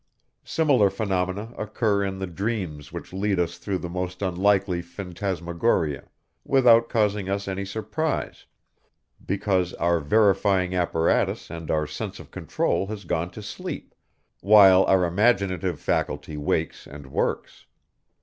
Similar phenomena occur in the dreams which lead us through the most unlikely phantasmagoria, without causing us any surprise, because our verifying apparatus and our sense of control has gone to sleep, while our imaginative faculty wakes and works.